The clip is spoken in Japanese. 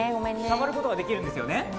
触ることができるんですよね？